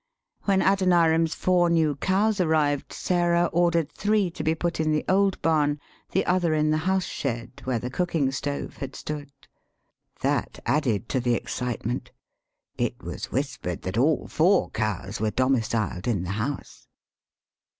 When Adon iram's four new cows arrived, Sarah ordered three to be put in the old barn, the other in the house shed where the cooking stove had stood. That added to the excitement. It was whis pered that all four cows were domiciled in the house.